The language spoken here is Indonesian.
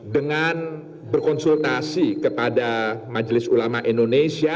dengan berkonsultasi kepada majelis ulama indonesia